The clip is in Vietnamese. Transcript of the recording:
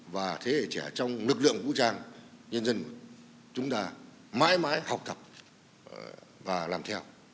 và thế hệ trẻ trong lực lượng vũ trang nhân dân chúng ta mãi mãi học tập và làm theo